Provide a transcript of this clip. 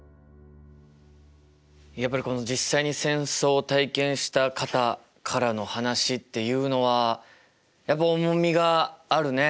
やっぱり実際に戦争を体験した方からの話っていうのは重みがあるね。